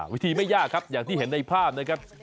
วิธีไม่ยากครับอย่างที่เห็นในภาพนะครับ